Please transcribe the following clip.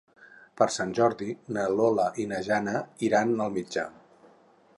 Per Sant Jordi na Lola i na Jana iran al metge.